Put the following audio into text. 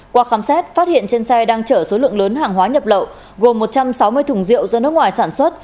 qua khám xét phát hiện trên xe đang chở số lượng lớn hàng hóa nhập lậu gồm một trăm sáu mươi thùng rượu do nước ngoài sản xuất